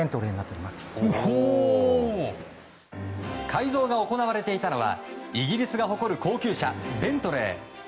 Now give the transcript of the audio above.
改造が行われていたのはイギリスが誇る高級車ベントレー。